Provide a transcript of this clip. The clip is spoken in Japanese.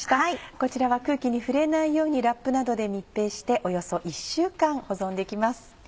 こちらは空気に触れないようにラップなどで密閉しておよそ１週間保存できます。